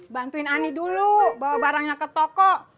bantuin ani dulu bawa barangnya ke toko